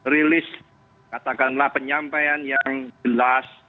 rilis katakanlah penyampaian yang jelas